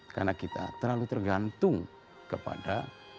karena kita terlalu tergantung kepada